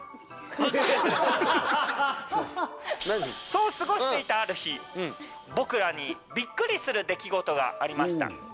そう過ごしていたある日、僕らにびっくりする出来事がありました。